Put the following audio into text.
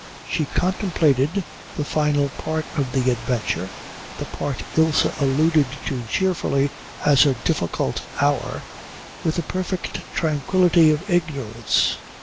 She contemplated the final part of the adventure, the part Ilse alluded to cheerfully as her Difficult Hour, with the perfect tranquillity of ignorance.